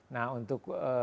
nah untuk mahasiswa di ut